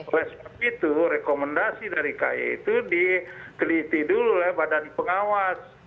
oleh sebab itu rekomendasi dari kay itu diteliti dulu oleh badan pengawas